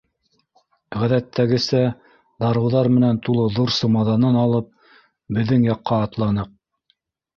Ғәҙәттәгесә, дарыуҙар менән тулы ҙур сумаҙанын алып, беҙҙең яҡҡа атланыҡ.